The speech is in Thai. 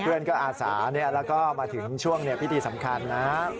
เพื่อนก็อาสาแล้วก็มาถึงช่วงพิธีสำคัญนะ